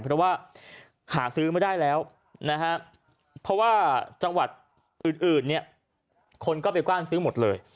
เพราะว่าหาซื้อไม่ได้แล้วนะฮะเพราะว่าจังหวัดอื่นเนี่ยคนก็ไปกว้านซื้อหมดเลย